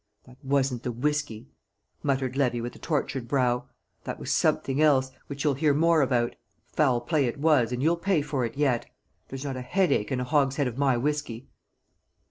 "That wasn't the whisky," muttered Levy with a tortured brow. "That was something else, which you'll hear more about; foul play it was, and you'll pay for it yet. There's not a headache in a hogshead of my whisky."